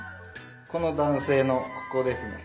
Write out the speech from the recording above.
この男せいのここですね。